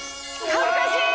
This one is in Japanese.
恥ずかしい！